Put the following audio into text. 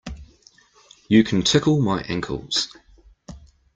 You can tickle my ankles.